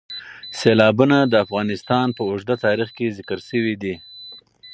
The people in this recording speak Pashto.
سیلابونه د افغانستان په اوږده تاریخ کې ذکر شوی دی.